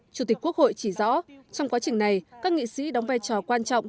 chủ tịch quốc hội chỉ rõ trong quá trình này các nghị sĩ đóng vai trò quan trọng